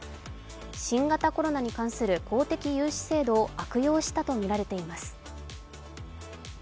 新型コロナに関する公的融資制度を悪用したとみられています。